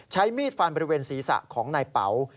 ใช้มีดฟันบริเวณศีรษะของนายเป๋า